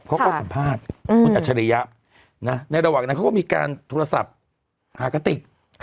เขาก็สัมภาษณ์คุณอัจฉริยะในระหว่างนั้นเขาก็มีการโทรศัพท์หากติก